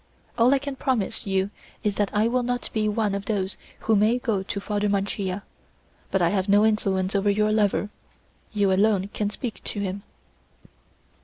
All I can promise you is that I will not be one of those who may go to Father Mancia; but I have no influence over your lover; you alone can speak to him."